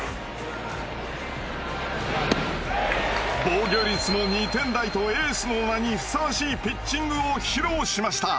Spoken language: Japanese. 防御率も２点台とエースの名にふさわしいピッチングを披露しました。